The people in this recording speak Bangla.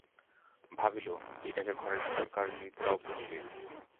ভাবিল, এই ডাকে ঘরের ভিতরকার নিদ্রাও ভাঙিবে।